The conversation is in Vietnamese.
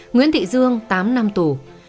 nguyễn thị dương tám năm tù